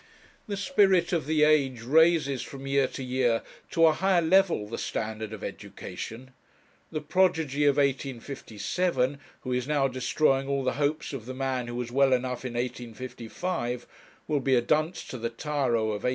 The spirit of the age raises, from year to year, to a higher level the standard of education. The prodigy of 1857, who is now destroying all the hopes of the man who was well enough in 1855, will be a dunce to the tyro of 1860.